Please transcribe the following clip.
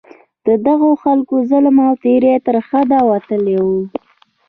د دغو خلکو ظلم او تېری تر حده وتلی وو.